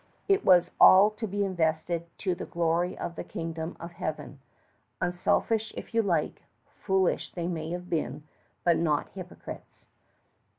It was all to be invested to the glory of the Kingdom of Heaven. Unselfish if you like, foolish they may have been, but not hypocrites.